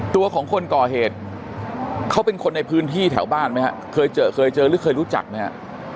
ตัวของคนก่อเหตุเขาเป็นคนในพื้นที่แถวบ้านไหมฮะเคยเจอเคยเจอหรือเคยรู้จักไหมฮะ